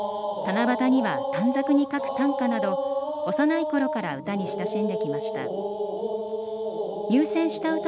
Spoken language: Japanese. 七夕には短冊に書く短歌など幼いころから歌に親しんできました。